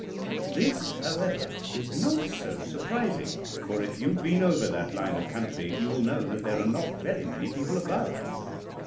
This, however, is not so surprising, for if you've been over that line of country you will know that there are not very many people about.